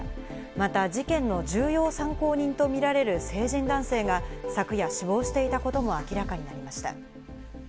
また事件の重要参考人とみられる成人男性が昨夜、死亡していたことも明らかになりました。